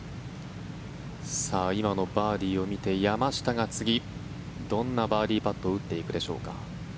今のバーディーを見て山下が次、どんなバーディーパットを打っていくでしょうか。